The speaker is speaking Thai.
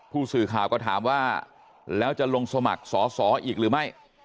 ผู้สื่อข่าวก็ถามว่าแล้วจะลงสมัครสอสออีกหรือไม่